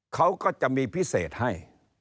เขาก็จะมีพิเศษให้